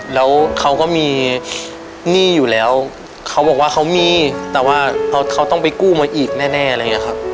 แล้วเขาก็มีหนี้อยู่แล้วเขาบอกว่าเขามีแต่ว่าเขาต้องไปกู้มาอีกแน่อะไรอย่างนี้ครับ